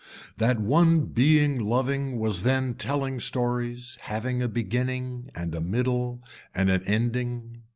That one being loving was then telling stories having a beginning and a middle and an ending.